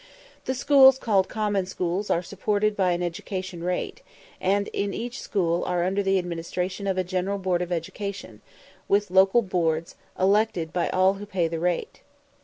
The schools called common schools are supported by an education rate, and in each State are under the administration of a general board of education, with local boards, elected by all who pay the rate.